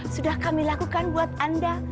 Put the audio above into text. sudah kami lakukan buat anda